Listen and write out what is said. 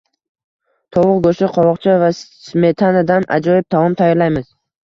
Tovuq go‘shti, qovoqcha va smetanadan ajoyib taom tayyorlaymiz